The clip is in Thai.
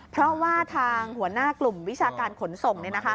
เพราะว่าทางหัวหน้ากลุ่มวิชาการขนส่ง